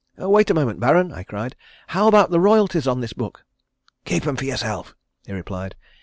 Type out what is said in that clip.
"Wait a moment, Baron," I cried. "How about the royalties on this book?" "Keep 'em for yourself," he replied.